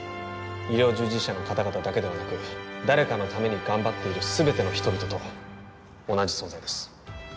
医療従事者の方々だけではなく誰かのために頑張っている全ての人々と同じ存在です